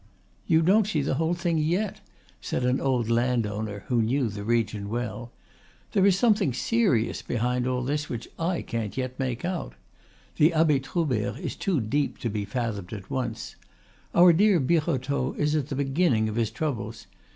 "You don't see the whole thing yet," said an old landowner who knew the region well. "There is something serious behind all this which I can't yet make out. The Abbe Troubert is too deep to be fathomed at once. Our dear Birotteau is at the beginning of his troubles.